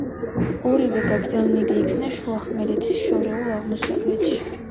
ორივე გაგზავნილი იქნა შუახმელეთის შორეულ აღმოსავლეთში.